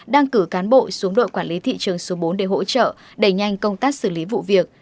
đang cử cán bộ xuống đội quản lý thị trường số bốn để hỗ trợ đẩy nhanh công tác xử lý vụ việc